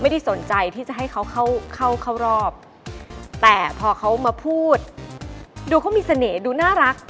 ดูเขามีเสน่ห์ดูน่ารัก